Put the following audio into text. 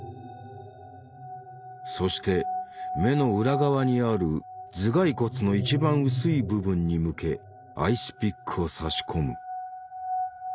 そして目の裏側にある頭蓋骨の一番薄い部分に向けアイスピックを差し込む。